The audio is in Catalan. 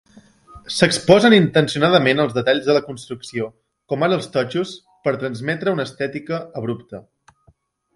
S'exposen intencionadament els detalls de la construcció, com ara els totxos, per transmetre una estètica abrupta.